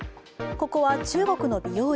ここは中国の美容院。